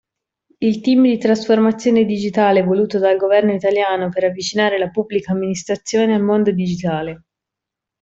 Il team di trasformazione digitale voluto dal Governo italiano per avvicinare la pubblica amministrazione al mondo digitale.